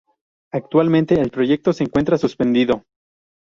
Actualmente el proyecto se encuentra suspendido.